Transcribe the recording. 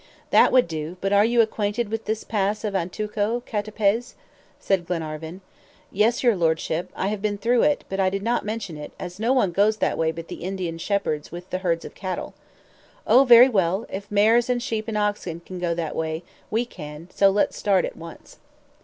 "That would do, but are you acquainted with this pass of Antuco, CATAPEZ?" said Glenarvan. "Yes, your Lordship, I have been through it, but I did not mention it, as no one goes that way but the Indian shepherds with the herds of cattle." "Oh, very well; if mares and sheep and oxen can go that way, we can, so let's start at once."